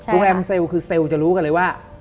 โรงแรมเซลล์คือเซลล์จะรู้กันเลยว่า